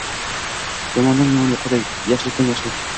Yomondan-yomonlik yuqadi. Yaxshidan-yaxshilik.